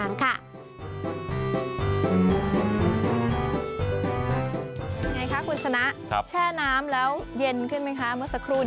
ยังไงคะคุณชนะแช่น้ำแล้วเย็นขึ้นไหมคะเมื่อสักครู่